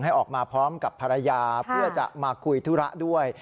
ให้ออกมาพร้อมกับภรรยาเพื่อจะมาคุยธุระด้วย